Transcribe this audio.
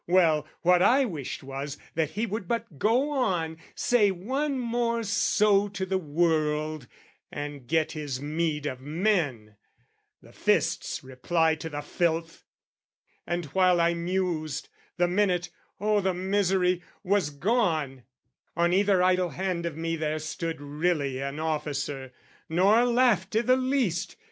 Well, what I wished Was, that he would but go on, say once more So to the world, and get his meed of men, The fist's reply to the filth. And while I mused, The minute, oh the misery, was gone! On either idle hand of me there stood Really an officer, nor laughed i' the least.